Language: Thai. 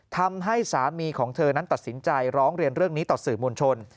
ทำให้สามีของเธอนั้นตัดสินใจร้องเรียนเรื่องนี้ต่อสื่อมวลชน